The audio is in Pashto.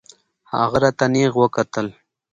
هغه راته نېغ وکتل.